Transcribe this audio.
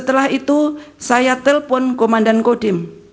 setelah itu saya telpon komandan kodim